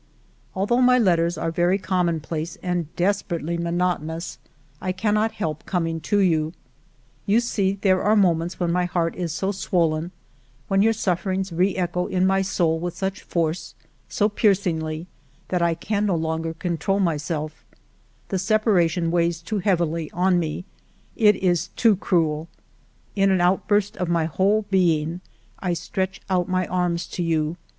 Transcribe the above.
"Although my letters are very commonplace and desperately monotonous, I cannot help com ing to you "You see there are moments when my heart is so swollen, when your sufferings re echo in my soul with such force, so piercingly, that I can no longer control myself The separation weighs too heavily on me ; it is too cruel ! In an out burst of my whole being I stretch out my arms to you.